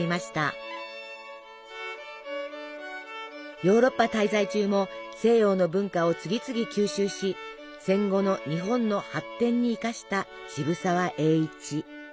ヨーロッパ滞在中も西洋の文化を次々吸収し戦後の日本の発展に生かした渋沢栄一。